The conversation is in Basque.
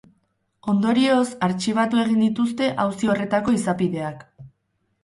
Ondorioz, artxibatu egin dituzte auzi horretako izapideak.